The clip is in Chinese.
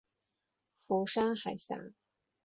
釜山海峡。